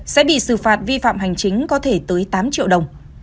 sẽ bị xử phạt vi phạm hành chính có thể tới tám triệu đồng